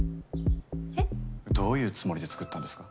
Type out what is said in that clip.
えっ？どういうつもりで作ったんですか？